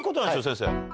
先生。